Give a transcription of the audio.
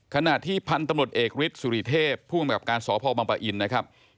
ขณะที่พันธุ์ตำรุดเอกฤทธสุริเทพฯผู้อำนาจการศพบินต์นะครับ